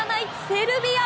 セルビア！